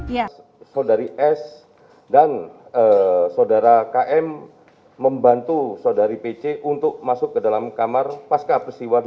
ya saudari s dan saudara km membantu saudari pc untuk masuk ke dalam kamar pasca peristiwa